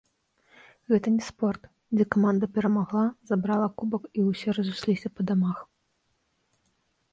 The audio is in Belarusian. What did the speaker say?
Гэта не спорт, дзе каманда перамагла, забрала кубак і ўсе разышліся па дамах.